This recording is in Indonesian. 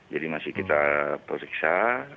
jadi masih kita periksa